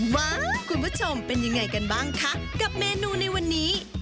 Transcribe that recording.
ว่าคุณผู้ชมเป็นยังไงกันบ้างคะกับเมนูในวันนี้